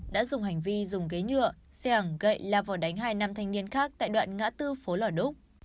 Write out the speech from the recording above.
đã dùng hành vi dùng ghế nhựa xe ẩng gậy la vào đánh hai nam thanh niên khác tại đoạn ngã tư phố lò đúc